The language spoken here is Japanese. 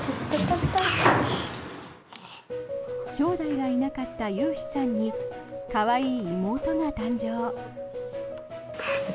きょうだいがいなかった悠陽さんに、可愛い妹が誕生。